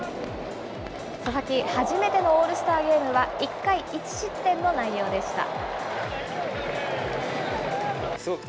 佐々木、初めてのオールスターゲームは、１回１失点の内容でした。